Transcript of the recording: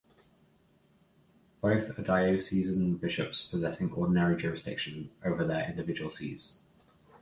Both are diocesan bishops possessing ordinary jurisdiction over their individual sees.